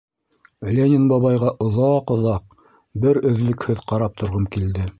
Ленин бабайға оҙаҡ-оҙаҡ, бер өҙлөкһөҙ ҡарап торғом килде.